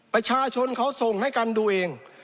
ประชาชนเขาส่งให้กันดูเอง